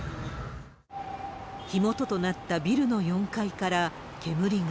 火元となったビルの４階から、煙が。